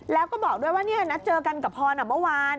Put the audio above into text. แล้วก็บอกด้วยว่านัดเจอกันกับพรเมื่อวาน